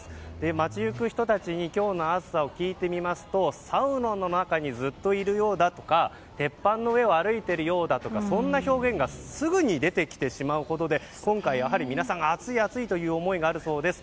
街行く人たちに今日の暑さを聞いてみますとサウナの中にずっといるようだとか鉄板の上を歩いているようだとかそんな表現がすぐに出てきてしまうほどで今回、皆さん暑い暑いという思いがあるそうです。